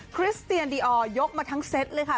คริสเตียนดีออร์ยกมาทั้งเซตเลยค่ะ